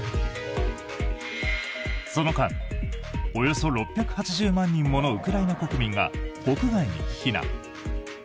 その間、およそ６８０万人ものウクライナ国民が国外に避難。